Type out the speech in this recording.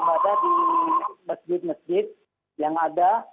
ibadah di masjid masjid yang ada